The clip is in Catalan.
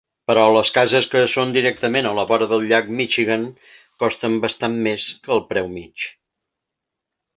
Però les cases que són directament a la vora del llac Michigan costen bastant més que el preu mig.